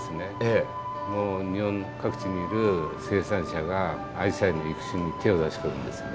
もう日本各地にいる生産者がアジサイの育種に手を出してるんですね。